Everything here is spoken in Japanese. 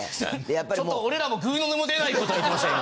ちょっと俺らもぐうの音も出ないこと言ってました今。